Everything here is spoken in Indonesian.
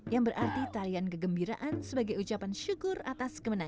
yang berarti tarian kegembiraan sebagai ucapan syukur atas kemenangan